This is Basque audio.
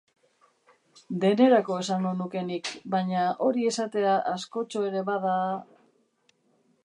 Denerako esango nuke nik, baina hori esatea askotxo ere bada...